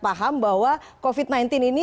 paham bahwa covid sembilan belas ini